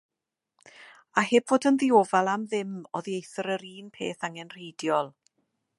A heb fod yn ddiofal am ddim oddieithr yr un peth angenrheidiol.